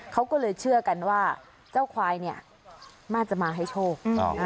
เขาก็เลยเชื่อกันว่าเจ้าควายเนี่ยน่าจะมาให้โชค